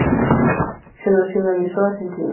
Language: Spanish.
Se nacionalizó argentino.